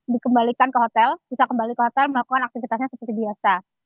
dikembalikan ke hotel bisa kembali ke hotel melakukan aktivitasnya seperti biasa